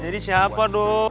jadi siapa dong